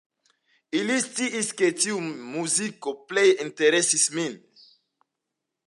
Ili sciis, ke tiu muziko plej interesis min.